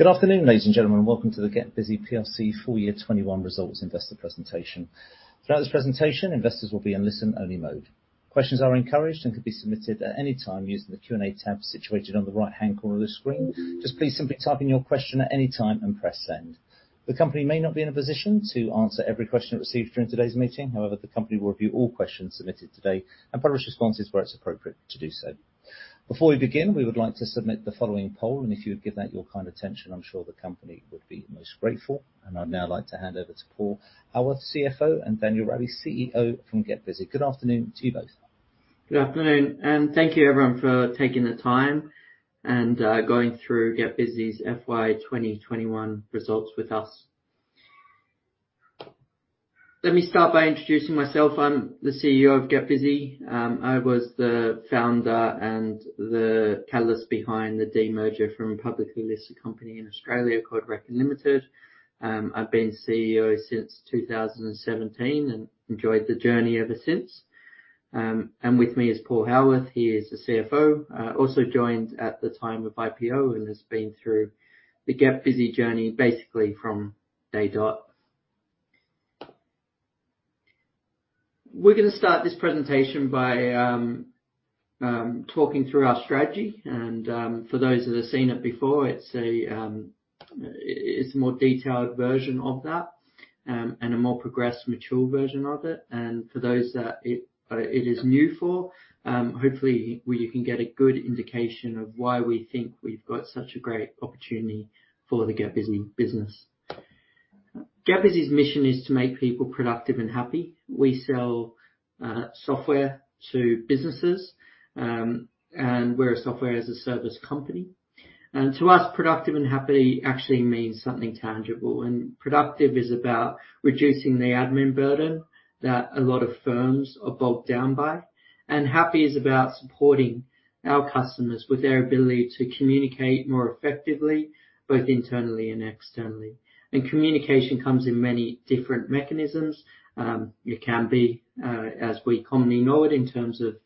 Good afternoon, ladies and gentlemen. Welcome to the GetBusy plc full year 2021 results investor presentation. Throughout this presentation, investors will be in listen-only mode. Questions are encouraged and can be submitted at any time using the Q&A tab situated on the right-hand corner of the screen. Just please simply type in your question at any time and press send. The company may not be in a position to answer every question received during today's meeting. However, the company will review all questions submitted today and publish responses where it's appropriate to do so. Before we begin, we would like to submit the following poll, and if you would give that your kind attention, I'm sure the company would be most grateful. I'd now like to hand over to Paul Haworth, CFO, and Daniel Rabie, CEO from GetBusy. Good afternoon to you both. Good afternoon, and thank you everyone for taking the time and, going through GetBusy's FY 2021 results with us. Let me start by introducing myself. I'm the CEO of GetBusy. I was the founder and the catalyst behind the demerger from a publicly listed company in Australia called Reckon Limited. I've been CEO since 2017 and enjoyed the journey ever since. With me is Paul Haworth. He is the CFO. Also joined at the time of IPO and has been through the GetBusy journey basically from day dot. We're gonna start this presentation by talking through our strategy and, for those that have seen it before, it's a more detailed version of that and a more progressed, mature version of it. For those that it is new for, hopefully you can get a good indication of why we think we've got such a great opportunity for the GetBusy business. GetBusy's mission is to make people productive and happy. We sell software to businesses, and we're a software as a service company. To us, productive and happy actually means something tangible. Productive is about reducing the admin burden that a lot of firms are bogged down by. Happy is about supporting our customers with their ability to communicate more effectively, both internally and externally. Communication comes in many different mechanisms. It can be, as we commonly know it, in terms of,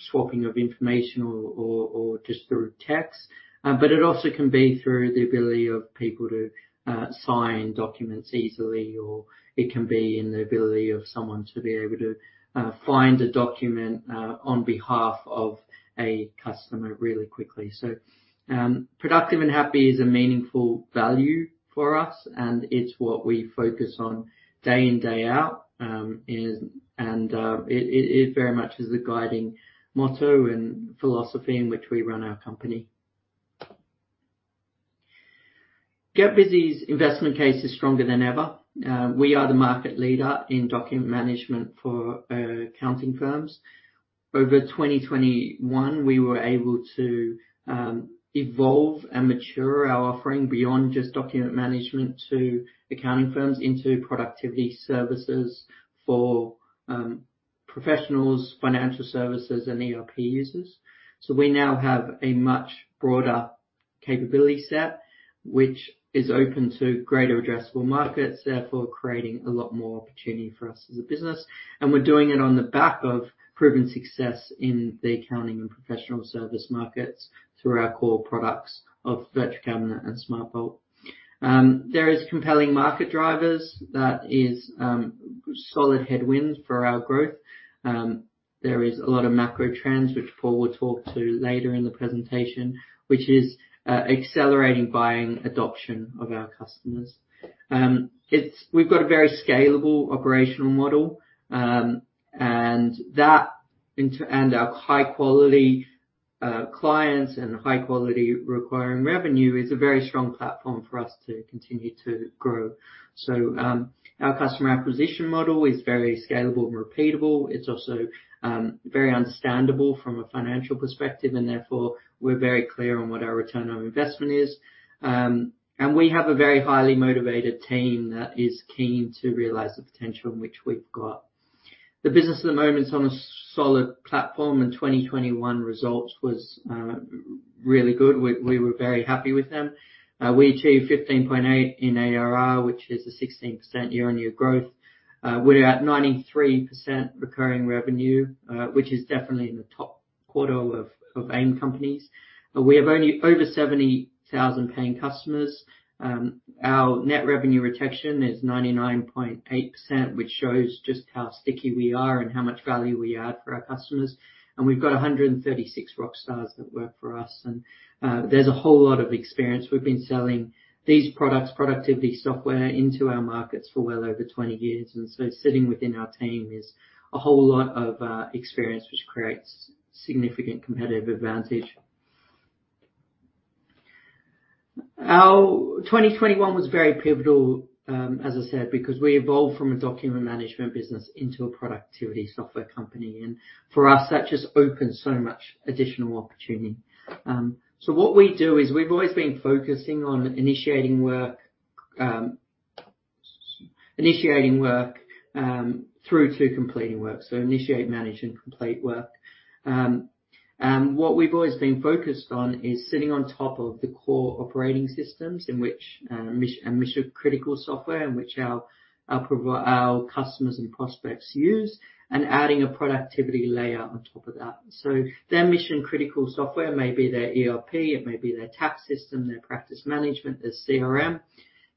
swapping of information or just through text. It also can be through the ability of people to sign documents easily, or it can be in the ability of someone to be able to find a document on behalf of a customer really quickly. Productive and happy is a meaningful value for us, and it's what we focus on day in, day out. It very much is the guiding motto and philosophy in which we run our company. GetBusy's investment case is stronger than ever. We are the market leader in document management for accounting firms. Over 2021, we were able to evolve and mature our offering beyond just document management to accounting firms into productivity services for professionals, financial services, and ERP users. We now have a much broader capability set, which is open to greater addressable markets, therefore creating a lot more opportunity for us as a business. We're doing it on the back of proven success in the accounting and professional service markets through our core products of Virtual Cabinet and SmartVault. There is compelling market drivers that is solid headwind for our growth. There is a lot of macro trends which Paul will talk to later in the presentation, which is accelerating buying adoption of our customers. We've got a very scalable operational model, and our high quality clients and high quality recurring revenue is a very strong platform for us to continue to grow. Our customer acquisition model is very scalable and repeatable. It's also very understandable from a financial perspective, and therefore, we're very clear on what our return on investment is. We have a very highly motivated team that is keen to realize the potential which we've got. The business at the moment is on a solid platform, and 2021 results was really good. We were very happy with them. We achieved 15.8 in ARR, which is a 16% year-on-year growth. We're at 93% recurring revenue, which is definitely in the top quarter of AIM companies. We have over 70,000 paying customers. Our net revenue retention is 99.8%, which shows just how sticky we are and how much value we add for our customers. We've got 136 rock stars that work for us. There's a whole lot of experience. We've been selling these products, productivity software, into our markets for well over 20 years. Sitting within our team is a whole lot of experience, which creates significant competitive advantage. Our 2021 was very pivotal, as I said, because we evolved from a document management business into a productivity software company. For us, that just opened so much additional opportunity. What we do is we've always been focusing on initiating work through to completing work. Initiate, manage, and complete work. What we've always been focused on is sitting on top of the core operating systems in which mission-critical software that our customers and prospects use, and adding a productivity layer on top of that. Their mission critical software may be their ERP, it may be their tax system, their practice management, their CRM.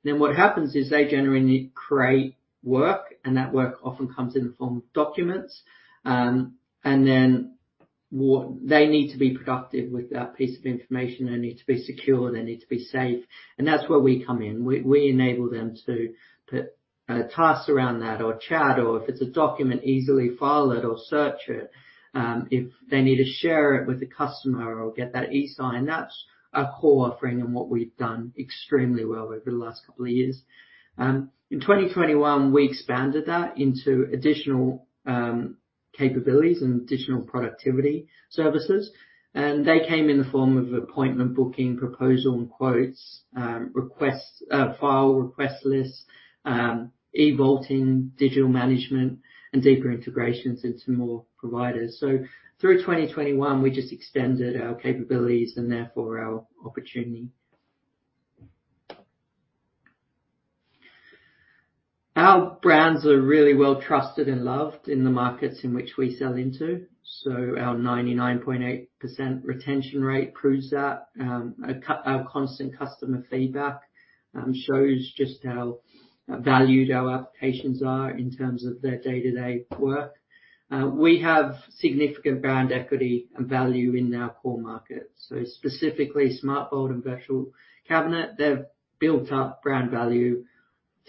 What happens is they generally create work, and that work often comes in the form of documents. They need to be productive with that piece of information. They need to be secure, they need to be safe, and that's where we come in. We enable them to put tasks around that or chat or if it's a document, easily file it or search it. If they need to share it with the customer or get that e-sign, that's our core offering and what we've done extremely well over the last couple of years. In 2021, we expanded that into additional capabilities and additional productivity services. They came in the form of appointment booking, proposal and quotes, requests, file request lists, e-vaulting, digital management, and deeper integrations into more providers. Through 2021, we just extended our capabilities and therefore our opportunity. Our brands are really well trusted and loved in the markets in which we sell into. Our 99.8% retention rate proves that. Our constant customer feedback shows just how valued our applications are in terms of their day-to-day work. We have significant brand equity and value in our core markets. Specifically SmartVault and Virtual Cabinet, they've built up brand value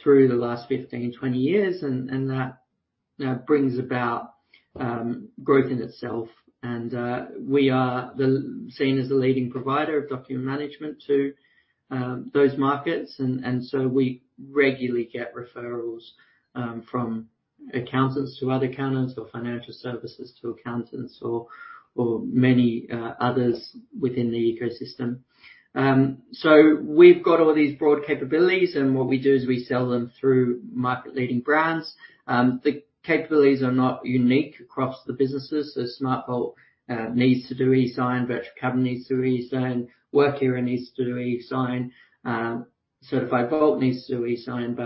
through the last 15, 20 years, and that brings about growth in itself. We are seen as the leading provider of document management to those markets. We regularly get referrals from accountants to other accountants or financial services to accountants or many others within the ecosystem. We've got all these broad capabilities, and what we do is we sell them through market leading brands. The capabilities are not unique across the businesses. SmartVault needs to do e-sign, Virtual Cabinet needs to e-sign, Workiro needs to do e-sign, Certified Vault needs to e-sign.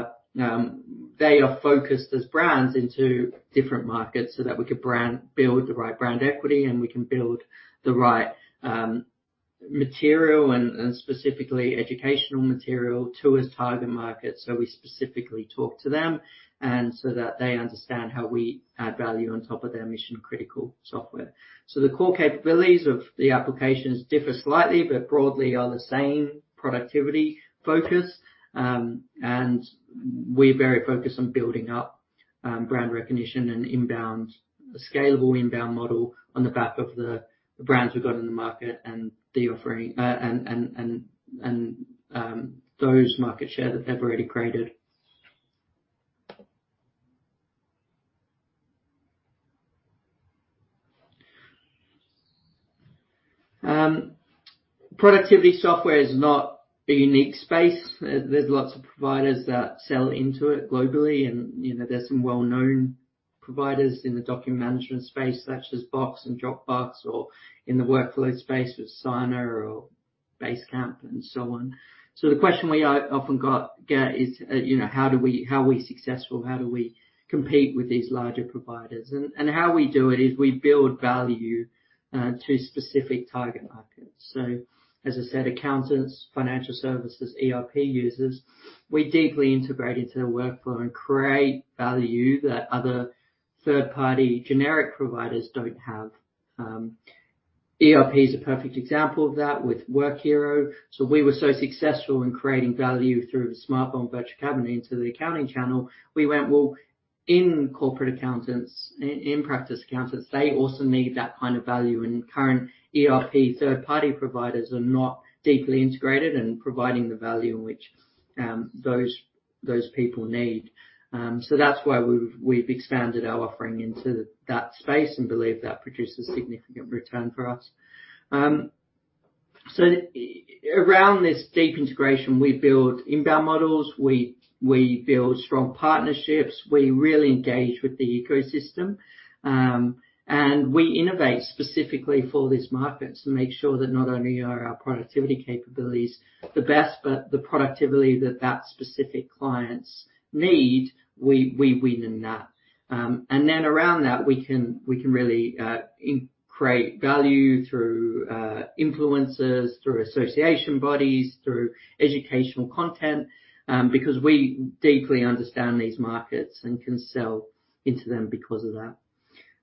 They are focused as brands into different markets so that we can brand build the right brand equity, and we can build the right material and specifically educational material to its target market. We specifically talk to them and so that they understand how we add value on top of their mission critical software. The core capabilities of the applications differ slightly, but broadly are the same productivity focus. We're very focused on building up brand recognition and inbound scalable inbound model on the back of the brands we've got in the market and the offering, those market share that they've already created. Productivity software is not a unique space. There's lots of providers that sell into it globally, and, you know, there's some well-known providers in the document management space such as Box and Dropbox or in the workflow space with Asana or Basecamp and so on. The question we often get is, you know, how are we successful? How do we compete with these larger providers? How we do it is we build value to specific target markets. As I said, accountants, financial services, ERP users, we deeply integrate into their workflow and create value that other third-party generic providers don't have. ERP is a perfect example of that with Workiro. We were so successful in creating value through the SmartVault Virtual Cabinet into the accounting channel. We do well in corporate accountants and practice accountants. They also need that kind of value, and current ERP third-party providers are not deeply integrated in providing the value in which those people need. That's why we've expanded our offering into that space and believe that produces significant return for us. Around this deep integration, we build inbound models, we build strong partnerships, we really engage with the ecosystem, and we innovate specifically for these markets to make sure that not only are our productivity capabilities the best, but the productivity that specific clients need, we win in that. Then around that, we can really create value through influencers, through association bodies, through educational content, because we deeply understand these markets and can sell into them because of that.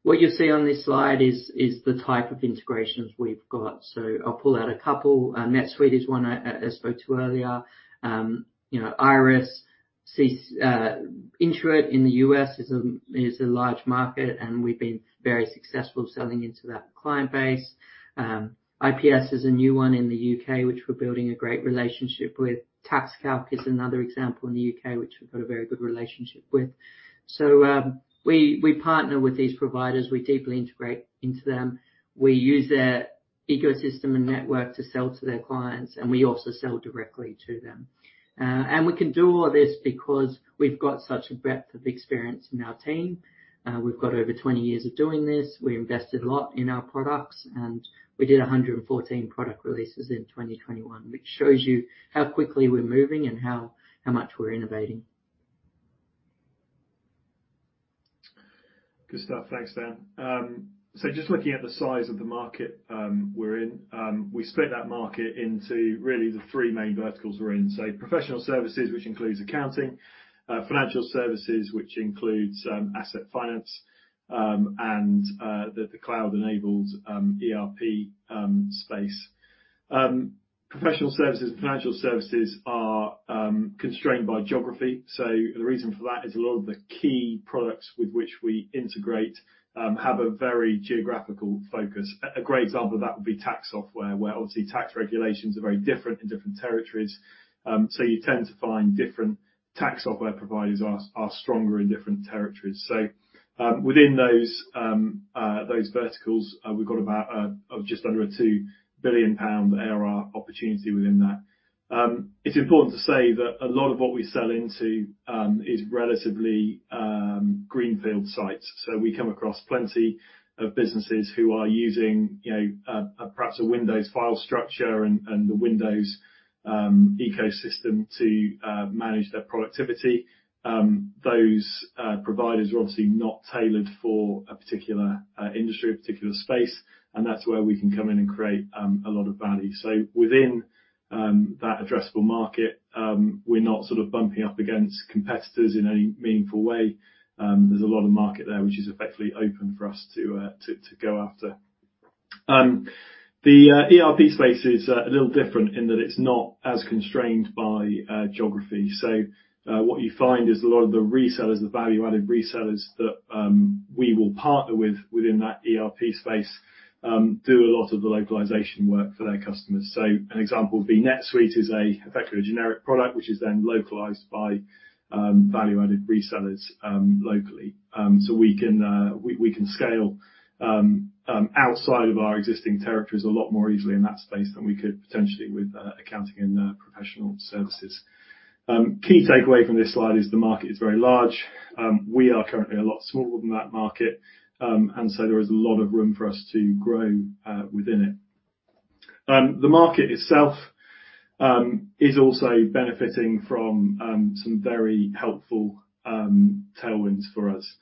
What you see on this slide is the type of integrations we've got. I'll pull out a couple. NetSuite is one I spoke to earlier. You know, IRIS, CCH, Intuit in the U.S. is a large market, and we've been very successful selling into that client base. IRIS is a new one in the U.K., which we're building a great relationship with. TaxCalc is another example in the U.K., which we've got a very good relationship with. We partner with these providers. We deeply integrate into them. We use their ecosystem and network to sell to their clients, and we also sell directly to them. We can do all this because we've got such a breadth of experience in our team. We've got over 20 years of doing this. We invested a lot in our products, and we did 114 product releases in 2021, which shows you how quickly we're moving and how much we're innovating. Good stuff. Thanks, Dan. Just looking at the size of the market, we split that market into really the three main verticals we're in. Professional services, which includes accounting, financial services, which includes asset finance, and the cloud-enabled ERP space. Professional services, financial services are constrained by geography. The reason for that is a lot of the key products with which we integrate have a very geographical focus. A great example of that would be tax software, where obviously tax regulations are very different in different territories. You tend to find different tax software providers are stronger in different territories. Within those verticals, we've got about just under 2 billion pound ARR opportunity within that. It's important to say that a lot of what we sell into is relatively greenfield sites. So we come across plenty of businesses who are using, you know, perhaps a Windows file structure and the Windows ecosystem to manage their productivity. Those providers are obviously not tailored for a particular industry, a particular space, and that's where we can come in and create a lot of value. So within that addressable market, we're not sort of bumping up against competitors in any meaningful way. There's a lot of market there, which is effectively open for us to go after. The ERP space is a little different in that it's not as constrained by geography. What you find is a lot of the resellers, the value-added resellers that we will partner with within that ERP space do a lot of the localization work for their customers. An example would be NetSuite is effectively a generic product, which is then localized by value-added resellers locally. We can scale outside of our existing territories a lot more easily in that space than we could potentially with accounting and professional services. Key takeaway from this slide is the market is very large. We are currently a lot smaller than that market, and so there is a lot of room for us to grow within it. The market itself is also benefiting from some very helpful tailwinds for us.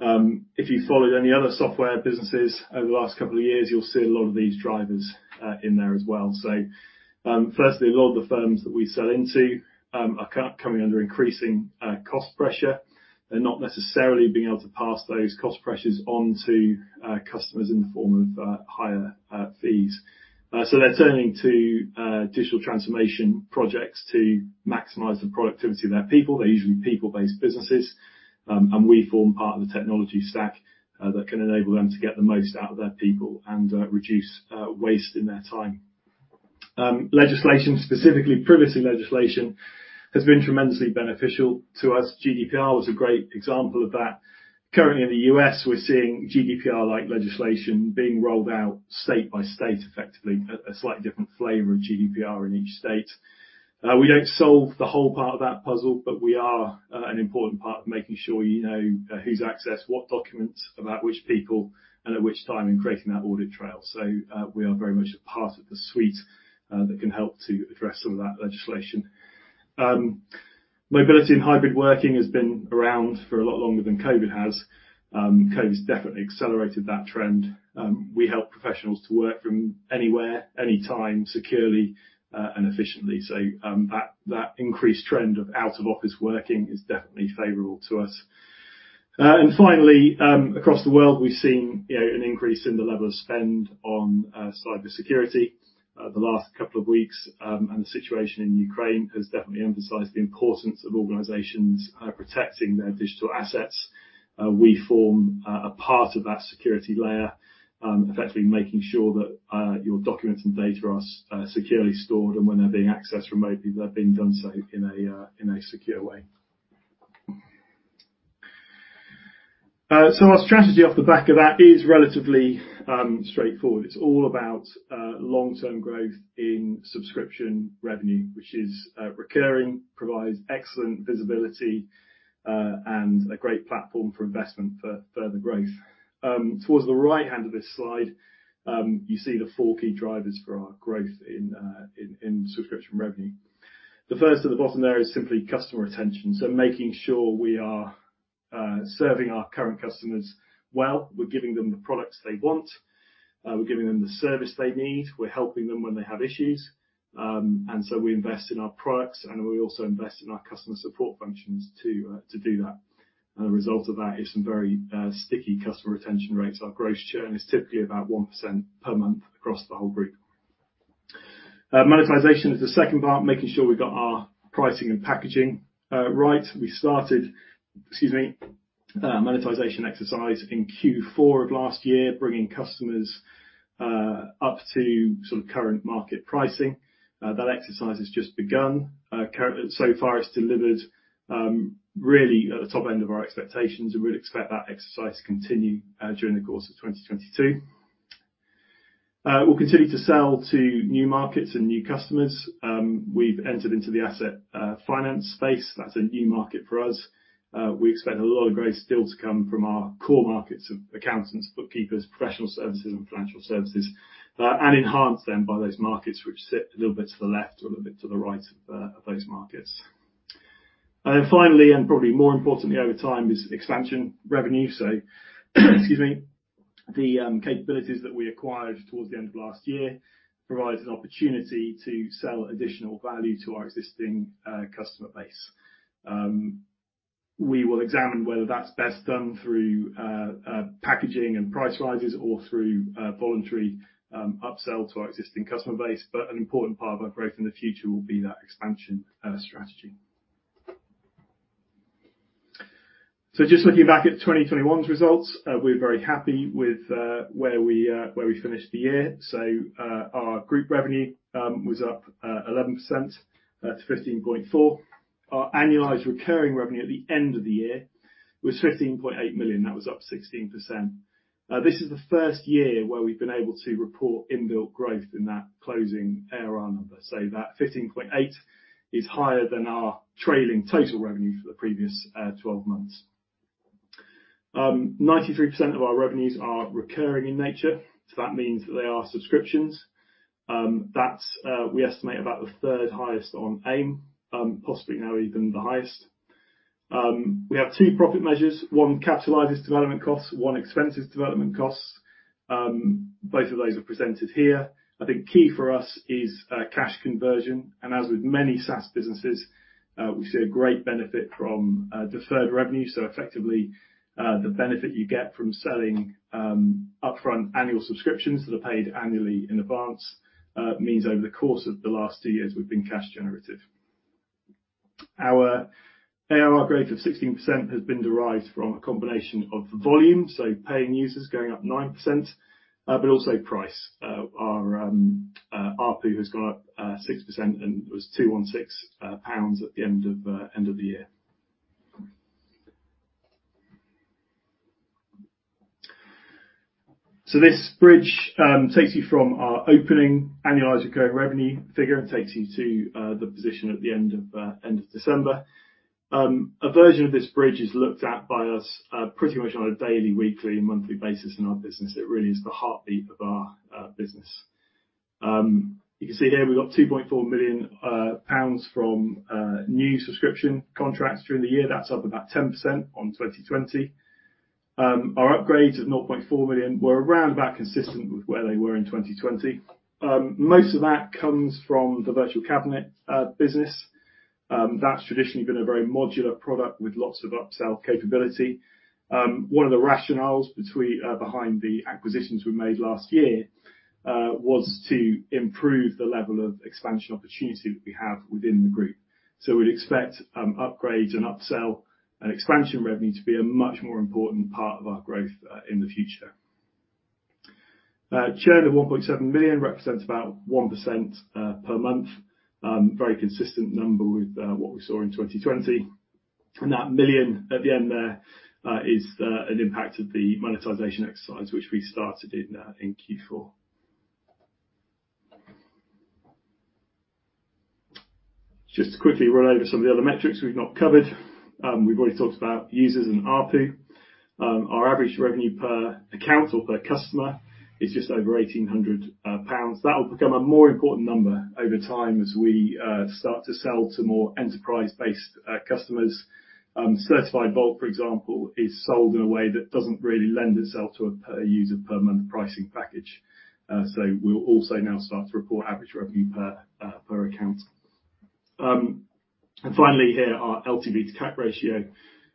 If you followed any other software businesses over the last couple of years, you'll see a lot of these drivers in there as well. Firstly, a lot of the firms that we sell into are coming under increasing cost pressure. They're not necessarily being able to pass those cost pressures on to customers in the form of higher fees. They're turning to digital transformation projects to maximize the productivity of their people. They're usually people-based businesses. We form part of the technology stack that can enable them to get the most out of their people and reduce waste in their time. Legislation, specifically privacy legislation, has been tremendously beneficial to us. GDPR was a great example of that. Currently in the U.S., we're seeing GDPR-like legislation being rolled out state by state, effectively a slightly different flavor of GDPR in each state. We don't solve the whole part of that puzzle, but we are an important part of making sure you know who's accessed what documents about which people and at which time in creating that audit trail. We are very much a part of the suite that can help to address some of that legislation. Mobility and hybrid working has been around for a lot longer than COVID has. COVID's definitely accelerated that trend. We help professionals to work from anywhere, any time, securely and efficiently. That increased trend of out of office working is definitely favorable to us. Finally, across the world, we've seen, you know, an increase in the level of spend on cybersecurity. The last couple of weeks, and the situation in Ukraine has definitely emphasized the importance of organizations protecting their digital assets. We form a part of that security layer, effectively making sure that your documents and data are securely stored, and when they're being accessed remotely, they're being done so in a secure way. Our strategy off the back of that is relatively straightforward. It's all about long-term growth in subscription revenue, which is recurring, provides excellent visibility, and a great platform for investment for further growth. Towards the right hand of this slide, you see the four key drivers for our growth in subscription revenue. The first at the bottom there is simply customer retention. Making sure we are serving our current customers well. We're giving them the products they want. We're giving them the service they need. We're helping them when they have issues. We invest in our products, and we also invest in our customer support functions to do that. The result of that is some very sticky customer retention rates. Our gross churn is typically about 1% per month across the whole group. Monetization is the second part, making sure we've got our pricing and packaging right. We started monetization exercise in Q4 of last year, bringing customers up to some current market pricing. That exercise has just begun. So far it's delivered really at the top end of our expectations, and we'd expect that exercise to continue during the course of 2022. We'll continue to sell to new markets and new customers. We've entered into the asset finance space. That's a new market for us. We expect a lot of great deals to come from our core markets of accountants, bookkeepers, professional services, and financial services and enhance them by those markets which sit a little bit to the left or a little bit to the right of those markets. Finally, and probably more importantly over time is expansion revenue. Excuse me. The capabilities that we acquired towards the end of last year provides an opportunity to sell additional value to our existing customer base. We will examine whether that's best done through packaging and price rises or through voluntary upsell to our existing customer base, but an important part of our growth in the future will be that expansion strategy. Just looking back at 2021's results, we're very happy with where we finished the year. Our group revenue was up 11% to 15.4 million. Our annualized recurring revenue at the end of the year was 15.8 million. That was up 16%. This is the first year where we've been able to report inbuilt growth in that closing ARR number. That 15.8 is higher than our trailing total revenue for the previous 12 months. 93% of our revenues are recurring in nature, so that means that they are subscriptions. That's, we estimate, about the third highest on AIM, possibly now even the highest. We have two profit measures. One capitalizes development costs, one expenses development costs. Both of those are presented here. I think key for us is cash conversion, and as with many SaaS businesses, we see a great benefit from deferred revenue, so effectively, the benefit you get from selling upfront annual subscriptions that are paid annually in advance means over the course of the last two years, we've been cash generative. Our ARR growth of 16% has been derived from a combination of volume, so paying users going up 9%, but also price. Our ARPU has gone up 6% and was 216 pounds at the end of the year. This bridge takes you from our opening annualized recurring revenue figure and takes you to the position at the end of December. A version of this bridge is looked at by us pretty much on a daily, weekly, monthly basis in our business. It really is the heartbeat of our business. You can see here we got 2.4 million pounds from new subscription contracts during the year. That's up about 10% on 2020. Our upgrades at 0.4 million were around about consistent with where they were in 2020. Most of that comes from the Virtual Cabinet business. That's traditionally been a very modular product with lots of upsell capability. One of the rationales behind the acquisitions we made last year was to improve the level of expansion opportunity that we have within the group. We'd expect upgrades and upsell and expansion revenue to be a much more important part of our growth in the future. Churn of 1.7 million represents about 1% per month. Very consistent number with what we saw in 2020. That million at the end there is an impact of the monetization exercise, which we started in Q4. Just to quickly run over some of the other metrics we've not covered. We've already talked about users and ARPU. Our average revenue per account or per customer is just over 1,800 pounds. That will become a more important number over time as we start to sell to more enterprise-based customers. Certified Vault, for example, is sold in a way that doesn't really lend itself to a per user per month pricing package. So we'll also now start to report average revenue per per account. And finally here, our LTV to CAC ratio,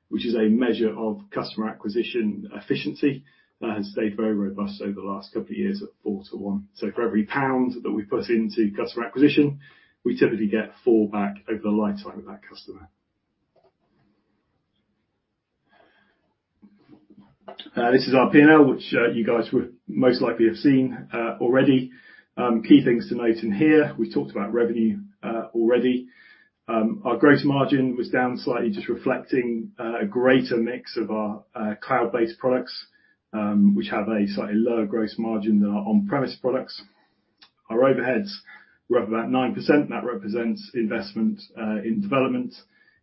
which is a measure of customer acquisition efficiency. That has stayed very robust over the last couple of years at four to one. So for every pound that we put into customer acquisition, we typically get four back over the lifetime of that customer. This is our P&L, which you guys would most likely have seen already. Key things to note in here, we talked about revenue already. Our gross margin was down slightly just reflecting a greater mix of our cloud-based products, which have a slightly lower gross margin than our on-premise products. Our overheads were up about 9%. That represents investment in development,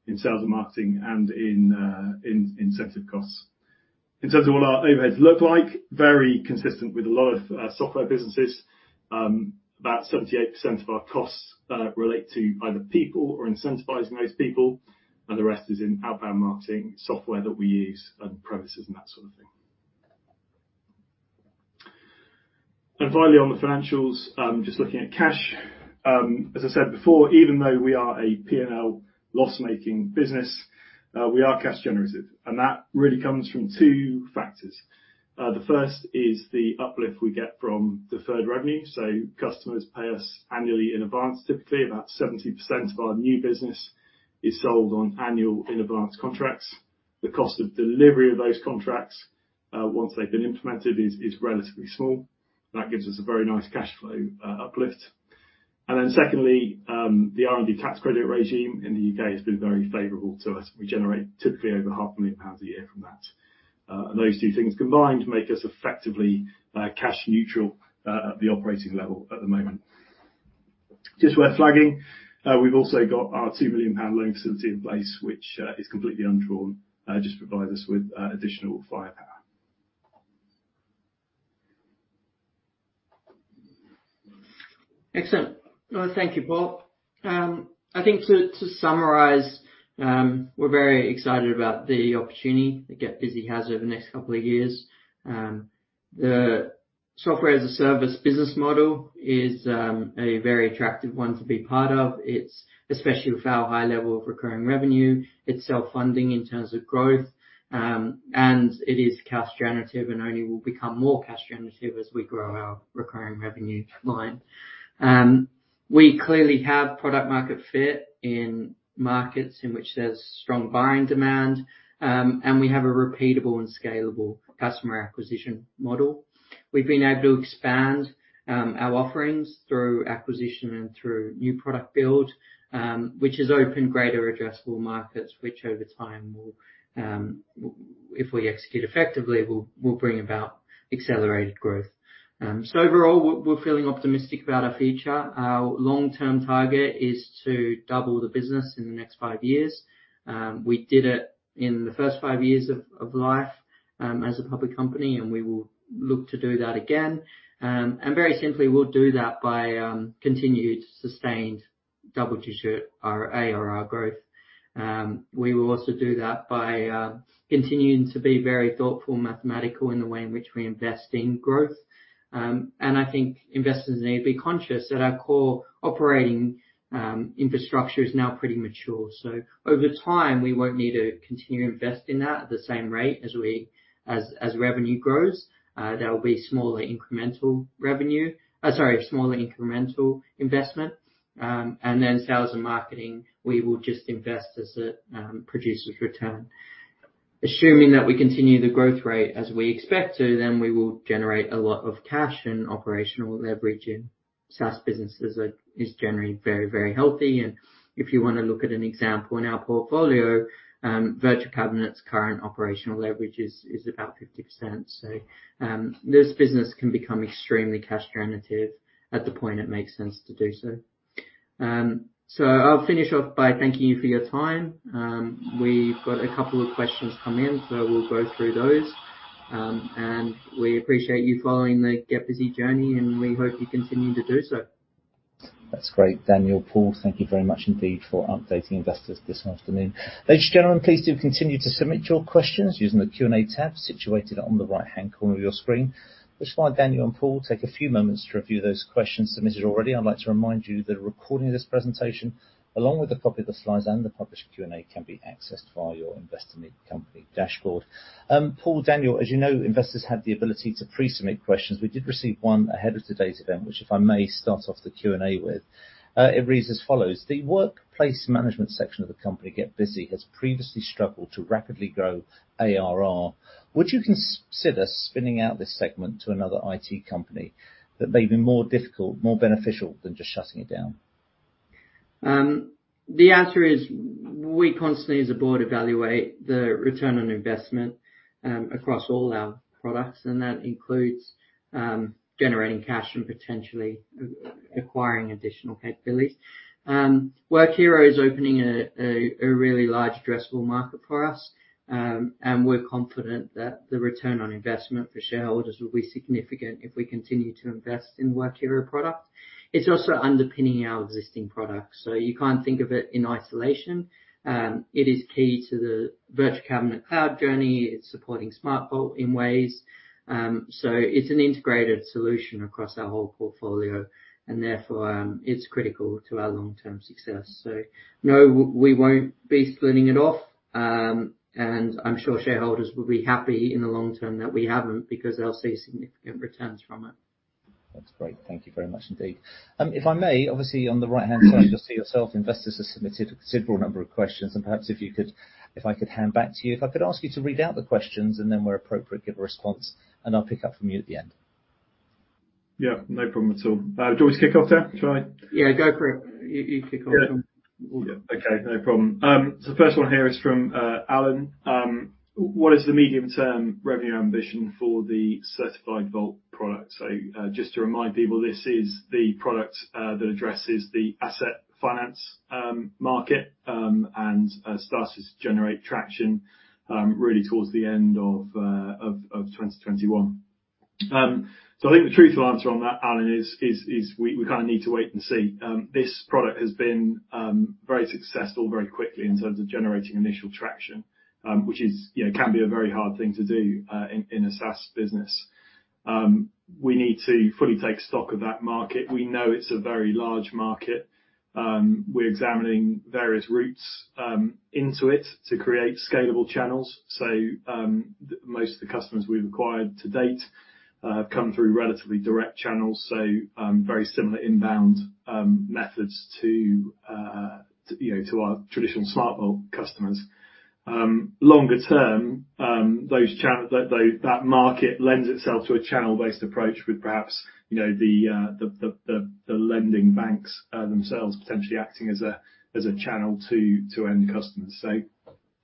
in sales and marketing, and in incentive costs. In terms of what our overheads look like, very consistent with a lot of software businesses. About 78% of our costs relate to either people or incentivizing those people, and the rest is in outbound marketing, software that we use, and premises, and that sort of thing. Finally, on the financials, just looking at cash. As I said before, even though we are a P&L loss-making business, we are cash generative, and that really comes from two factors. The first is the uplift we get from deferred revenue. Customers pay us annually in advance. Typically, about 70% of our new business is sold on annual in advance contracts. The cost of delivery of those contracts, once they've been implemented, is relatively small. That gives us a very nice cash flow uplift. Secondly, the R&D tax credit regime in the U.K. has been very favorable to us. We generate typically over half a million GBP a year from that. Those two things combined make us effectively cash neutral at the operating level at the moment. Just worth flagging, we've also got our 2 million pound loan facility in place, which is completely undrawn, just provides us with additional firepower. Excellent. Well, thank you, Paul. I think to summarize, we're very excited about the opportunity that GetBusy has over the next couple of years. The software as a service business model is a very attractive one to be part of. It's especially with our high level of recurring revenue, it's self-funding in terms of growth, and it is cash generative and only will become more cash generative as we grow our recurring revenue line. We clearly have product market fit in markets in which there's strong buying demand, and we have a repeatable and scalable customer acquisition model. We've been able to expand our offerings through acquisition and through new product build, which has opened greater addressable markets, which over time will, if we execute effectively, will bring about accelerated growth. So overall, we're feeling optimistic about our future. Our long-term target is to double the business in the next five years. We did it in the first five years of life as a public company, and we will look to do that again. Very simply, we'll do that by continued sustained double-digit ARR growth. We will also do that by continuing to be very thoughtful and mathematical in the way in which we invest in growth. I think investors need to be conscious that our core operating infrastructure is now pretty mature. Over time, we won't need to continue to invest in that at the same rate as revenue grows. There will be smaller incremental investment. Then sales and marketing, we will just invest as it produces return. Assuming that we continue the growth rate as we expect to, then we will generate a lot of cash and operational leverage in SaaS businesses is generally very, very healthy. If you wanna look at an example in our portfolio, Virtual Cabinet's current operational leverage is about 50%. This business can become extremely cash generative at the point it makes sense to do so. I'll finish off by thanking you for your time. We've got a couple of questions come in, so we'll go through those. We appreciate you following the GetBusy journey, and we hope you continue to do so. That's great. Daniel, Paul, thank you very much indeed for updating investors this afternoon. Ladies, gentlemen, please do continue to submit your questions using the Q&A tab situated on the right-hand corner of your screen. Just while Daniel and Paul take a few moments to review those questions submitted already, I'd like to remind you that a recording of this presentation, along with a copy of the slides and the published Q&A, can be accessed via your Investor Meet Company dashboard. Paul, Daniel, as you know, investors have the ability to pre-submit questions. We did receive one ahead of today's event, which if I may start off the Q&A with. It reads as follows: The workplace management section of the company GetBusy has previously struggled to rapidly grow ARR. Would you consider spinning out this segment to another IT company that may be more difficult, more beneficial than just shutting it down? The answer is we constantly, as a board, evaluate the return on investment, across all our products, and that includes, generating cash and potentially acquiring additional capabilities. Workiro is opening a really large addressable market for us, and we're confident that the return on investment for shareholders will be significant if we continue to invest in Workiro products. It's also underpinning our existing products, so you can't think of it in isolation. It is key to the Virtual Cabinet cloud journey. It's supporting SmartVault in ways. It's an integrated solution across our whole portfolio, and therefore, it's critical to our long-term success. No, we won't be spinning it off, and I'm sure shareholders will be happy in the long term that we haven't because they'll see significant returns from it. That's great. Thank you very much indeed. If I may, obviously on the right-hand side you'll see yourself, investors have submitted a considerable number of questions. Perhaps if you could, if I could hand back to you, if I could ask you to read out the questions, and then where appropriate, give a response, and I'll pick up from you at the end. Yeah, no problem at all. Do you want me to kick off, Dan? Shall I? Yeah, go for it. You kick off. Yeah. Okay, no problem. The first one here is from Alan. What is the medium-term revenue ambition for the Certified Vault product? Just to remind people, this is the product that addresses the asset finance market and starts to generate traction really towards the end of 2021. I think the truthful answer on that, Alan, is we kinda need to wait and see. This product has been very successful very quickly in terms of generating initial traction, which is, you know, can be a very hard thing to do in a SaaS business. We need to fully take stock of that market. We know it's a very large market. We're examining various routes into it to create scalable channels. Most of the customers we've acquired to date have come through relatively direct channels, so very similar inbound methods to our traditional SmartVault customers. Longer term, that market lends itself to a channel-based approach with perhaps, you know, the lending banks themselves potentially acting as a channel to end customers.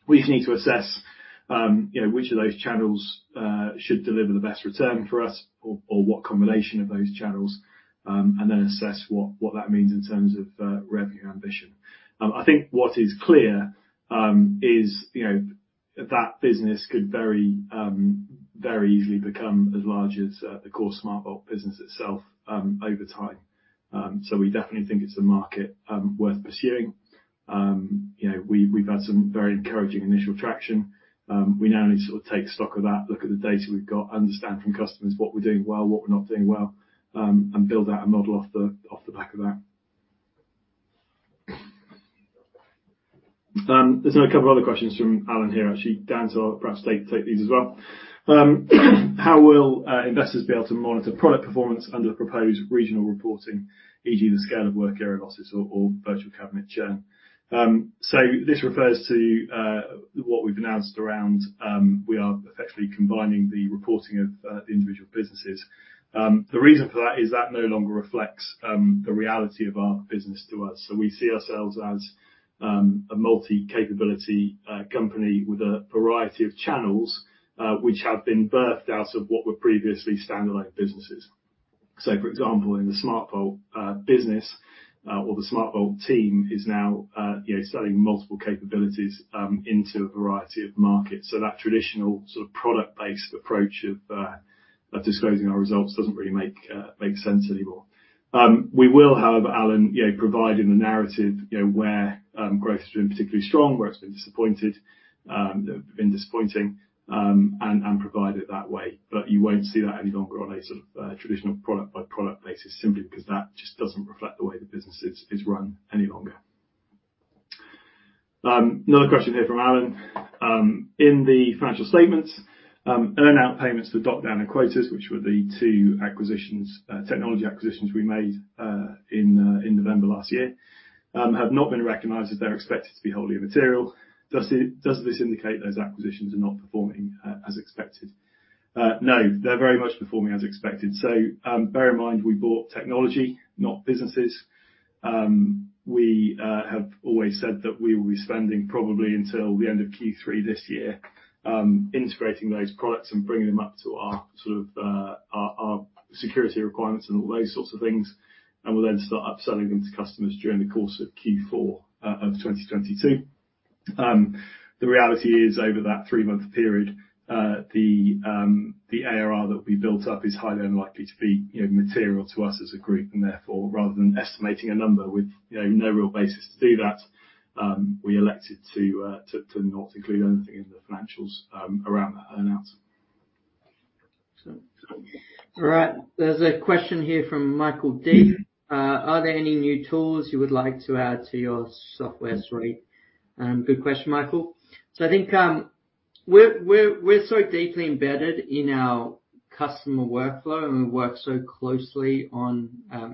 We just need to assess, you know, which of those channels should deliver the best return for us or what combination of those channels, and then assess what that means in terms of revenue ambition. I think what is clear is, you know, that business could very easily become as large as the core SmartVault business itself over time. We definitely think it's a market worth pursuing. You know, we've had some very encouraging initial traction. We now need to sort of take stock of that, look at the data we've got, understand from customers what we're doing well, what we're not doing well, and build out a model off the back of that. There's another couple other questions from Alan here, actually. Dan, perhaps take these as well. How will investors be able to monitor product performance under the proposed regional reporting, for example, the scale of Workiro losses or Virtual Cabinet, Dan? This refers to what we've announced around we are effectively combining the reporting of the individual businesses. The reason for that is that no longer reflects the reality of our business to us. We see ourselves as a multi-capability company with a variety of channels which have been birthed out of what were previously standalone businesses. For example, in the SmartVault business or the SmartVault team is now you know selling multiple capabilities into a variety of markets. That traditional sort of product-based approach of disclosing our results doesn't really make sense anymore. We will, however, Alan, you know provide in the narrative you know where growth has been particularly strong, where it's been disappointing and provide it that way. You won't see that any longer on a sort of traditional product by product basis, simply because that just doesn't reflect the way the business is run any longer. Another question here from Alan. In the financial statements, earn-out payments to DocuPing and Quotient, which were the two acquisitions, technology acquisitions we made, in November last year, have not been recognized as they're expected to be immaterial. Does this indicate those acquisitions are not performing as expected? No, they're very much performing as expected. Bear in mind we bought technology, not businesses. We have always said that we will be spending probably until the end of Q3 this year, integrating those products and bringing them up to our sort of security requirements and all those sorts of things, and we'll then start upselling them to customers during the course of Q4 of 2022. The reality is over that three-month period, the ARR that will be built up is highly unlikely to be, you know, material to us as a group, and therefore, rather than estimating a number with, you know, no real basis to do that, we elected to not include anything in the financials, around the earn-outs. All right. There's a question here from Michael Dee. Are there any new tools you would like to add to your software suite? Good question, Michael. I think we're so deeply embedded in our customer workflow, and we work so closely on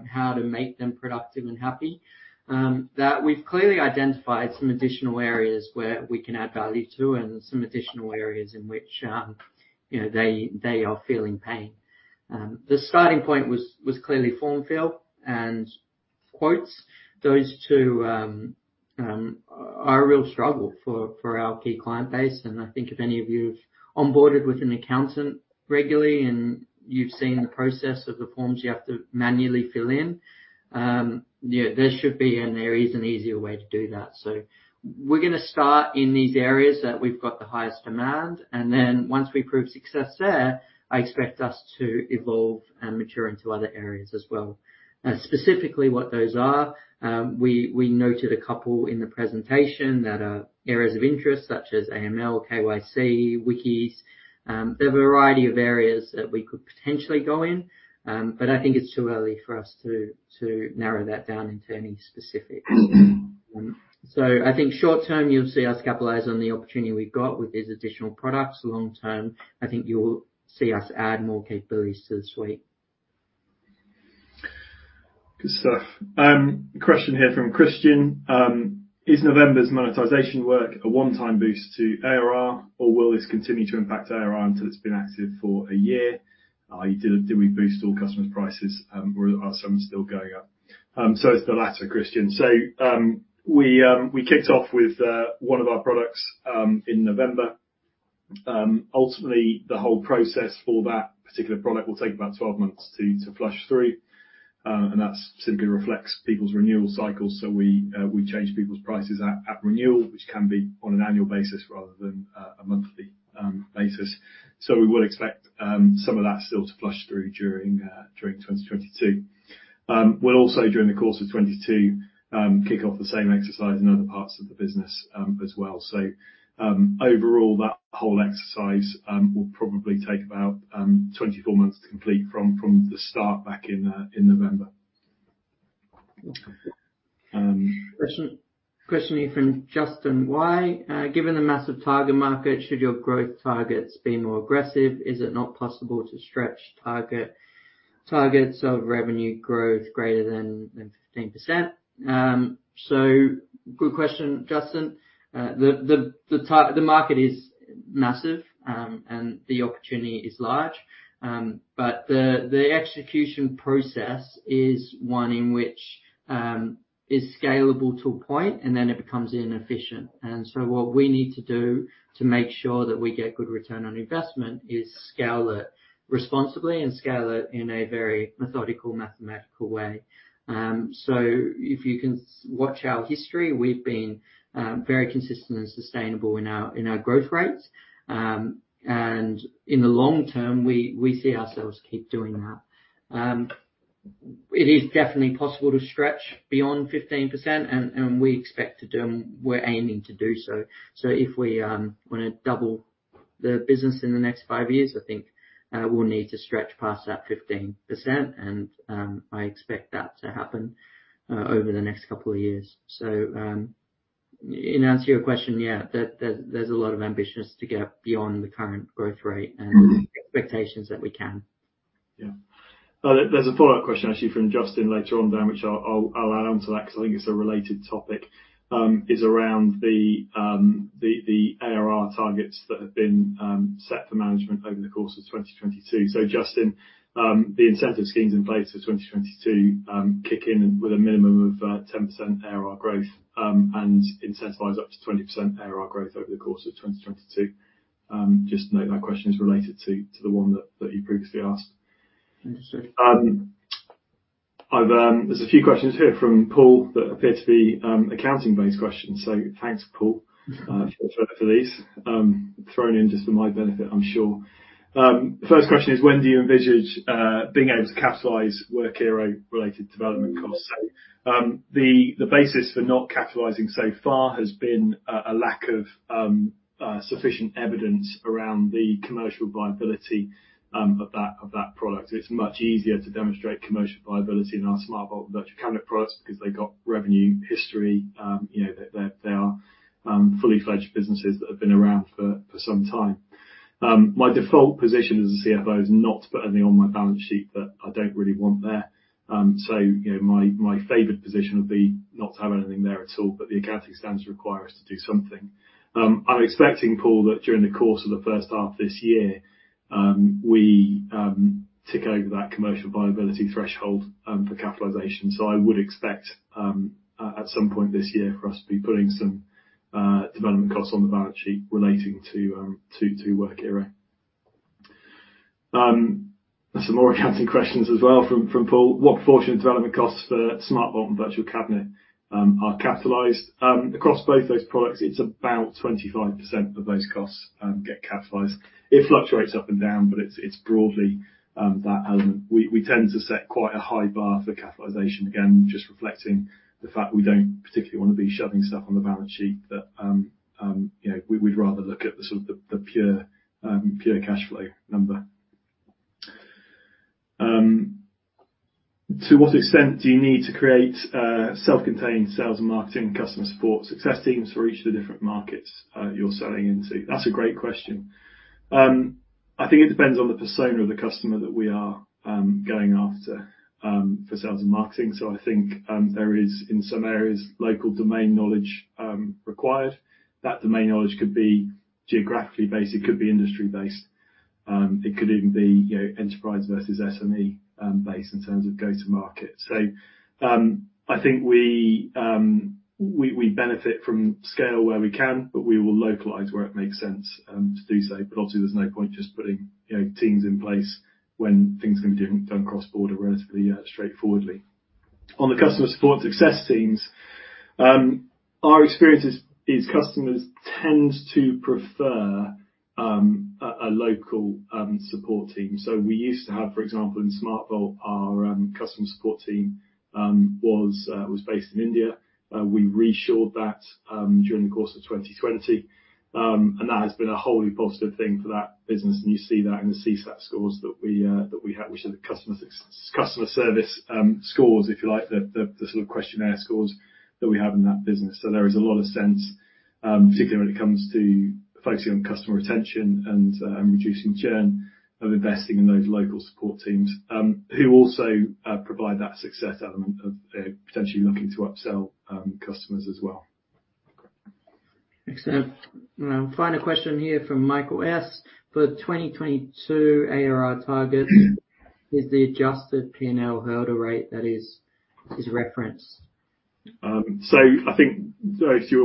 how to make them productive and happy that we've clearly identified some additional areas where we can add value to and some additional areas in which you know they are feeling pain. The starting point was clearly form fill and quotes. Those two are a real struggle for our key client base, and I think if any of you have onboarded with an accountant regularly and you've seen the process of the forms you have to manually fill in, you know, there should be, and there is an easier way to do that. We're gonna start in these areas that we've got the highest demand, and then once we prove success there, I expect us to evolve and mature into other areas as well. As specifically what those are, we noted a couple in the presentation that are areas of interest such as AML, KYC, wikis, there are a variety of areas that we could potentially go in, but I think it's too early for us to narrow that down into any specifics. I think short term, you'll see us capitalize on the opportunity we've got with these additional products. Long term, I think you'll see us add more capabilities to the suite. Good stuff. Question here from Christian: Is November's monetization work a one-time boost to ARR, or will this continue to impact ARR until it's been active for a year? Did we boost all customers' prices, or are some still going up? It's the latter, Christian. We kicked off with one of our products in November. Ultimately, the whole process for that particular product will take about 12 months to flush through. That simply reflects people's renewal cycles. We change people's prices at renewal, which can be on an annual basis rather than a monthly basis. We would expect some of that still to flush through during 2022. We'll also, during the course of 2022, kick off the same exercise in other parts of the business, as well. Overall, that whole exercise will probably take about 24 months to complete from the start back in November. Question here from Justin. Why, given the massive target market, should your growth targets be more aggressive? Is it not possible to stretch targets of revenue growth greater than 15%? Good question, Justin. The market is massive, and the opportunity is large. The execution process is one in which is scalable to a point, and then it becomes inefficient. What we need to do to make sure that we get good return on investment is scale it responsibly and scale it in a very methodical, mathematical way. If you can watch our history, we've been very consistent and sustainable in our growth rates. In the long term, we see ourselves keep doing that. It is definitely possible to stretch beyond 15%, and we expect to do and we're aiming to do so. If we wanna double the business in the next five years, I think we'll need to stretch past that 15% and I expect that to happen over the next couple of years. In answer to your question, yeah, there there's a lot of ambitions to get beyond the current growth rate and expectations that we can. Yeah. There's a follow-up question actually from Justin later on, Dan, which I'll add on to that 'cause I think it's a related topic, is around the ARR targets that have been set for management over the course of 2022. Justin, the incentive schemes in place for 2022 kick in with a minimum of 10% ARR growth, and incentivize up to 20% ARR growth over the course of 2022. Just note that question is related to the one that he previously asked. Interesting. There's a few questions here from Paul that appear to be accounting-based questions. Thanks, Paul, for these. Thrown in just for my benefit, I'm sure. First question is, when do you envisage being able to capitalize Workiro related development costs? The basis for not capitalizing so far has been a lack of sufficient evidence around the commercial viability of that product. It's much easier to demonstrate commercial viability in our SmartVault Virtual Cabinet products because they got revenue history. You know, they are fully fledged businesses that have been around for some time. My default position as a CFO is not to put anything on my balance sheet that I don't really want there. You know, my favored position would be not to have anything there at all, but the accounting standards require us to do something. I'm expecting, Paul, that during the course of the first half of this year, we tick over that commercial viability threshold for capitalization. I would expect at some point this year for us to be putting some development costs on the balance sheet relating to Workiro. There's some more accounting questions as well from Paul. What portion of development costs for SmartVault and Virtual Cabinet are capitalized? Across both those products, it's about 25% of those costs get capitalized. It fluctuates up and down, but it's broadly that element. We tend to set quite a high bar for capitalization. Again, just reflecting the fact we don't particularly wanna be shoving stuff on the balance sheet that, you know, we'd rather look at the pure cash flow number. To what extent do you need to create a self-contained sales and marketing customer support success teams for each of the different markets you're selling into? That's a great question. I think it depends on the persona of the customer that we are going after for sales and marketing. I think there is in some areas local domain knowledge required. That domain knowledge could be geographically based, it could be industry based, it could even be, you know, enterprise versus SME based in terms of go to market. I think we benefit from scale where we can, but we will localize where it makes sense to do so. Obviously, there's no point just putting, you know, teams in place when things can be done cross-border relatively straightforwardly. On the customer support success teams, our experience is customers tend to prefer a local support team. We used to have, for example, in SmartVault, our customer support team was based in India. We re-shored that during the course of 2020. That has been a wholly positive thing for that business. You see that in the CSAT scores that we have, which are the customer service scores, if you like, the sort of questionnaire scores that we have in that business. There is a lot of sense, particularly when it comes to focusing on customer retention and reducing churn of investing in those local support teams, who also provide that success element of potentially looking to upsell customers as well. Excellent. Final question here from Michael S. For 2022 ARR target, is the adjusted P&L hold rate that is referenced? If you want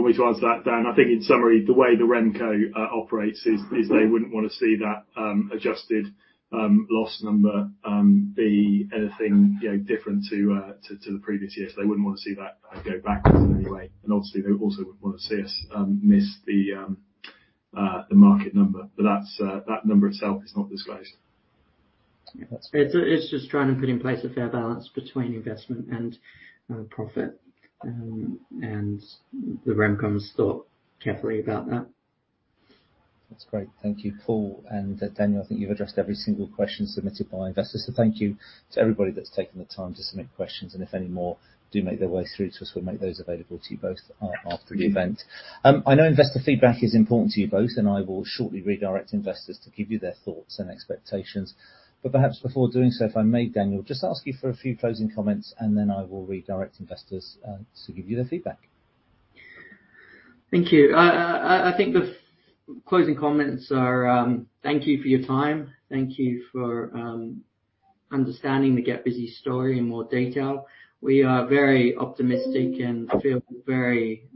me to answer that, Dan. I think in summary, the way the RemCo operates is they wouldn't wanna see that adjusted loss number be anything, you know, different to the previous years. They wouldn't want to see that go backwards in any way. Obviously, they also wouldn't want to see us miss the market number. That number itself is not disclosed. It's just trying to put in place a fair balance between investment and profit. The RemCo's thought carefully about that. That's great. Thank you, Paul. Daniel, I think you've addressed every single question submitted by investors. Thank you to everybody that's taken the time to submit questions. If any more do make their way through to us, we'll make those available to you both, after the event. I know investor feedback is important to you both, and I will shortly redirect investors to give you their thoughts and expectations. Perhaps before doing so, if I may, Daniel, just ask you for a few closing comments, and then I will redirect investors, to give you their feedback. Thank you. I think the closing comments are, thank you for your time. Thank you for understanding the GetBusy story in more detail. We are very optimistic and feel very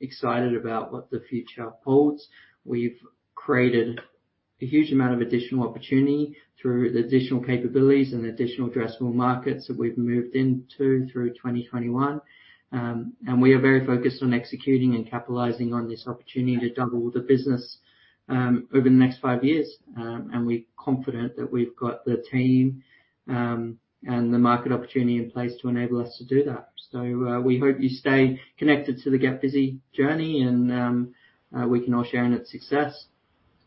excited about what the future holds. We've created a huge amount of additional opportunity through the additional capabilities and additional addressable markets that we've moved into through 2021. We are very focused on executing and capitalizing on this opportunity to double the business over the next 5 years. We're confident that we've got the team and the market opportunity in place to enable us to do that. We hope you stay connected to the GetBusy journey and we can all share in its success.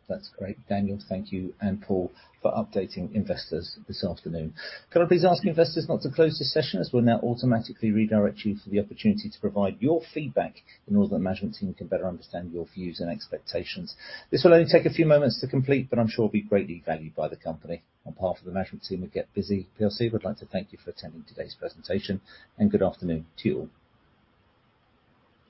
That's great. Daniel, thank you and Paul for updating investors this afternoon. Can I please ask investors not to close this session, as we'll now automatically redirect you for the opportunity to provide your feedback in order that the management team can better understand your views and expectations. This will only take a few moments to complete, but I'm sure it will be greatly valued by the company. On behalf of the management team at GetBusy plc, we'd like to thank you for attending today's presentation, and good afternoon to you all.